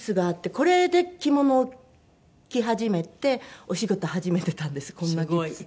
これで着物を着始めてお仕事始めてたんですこんなギプスで。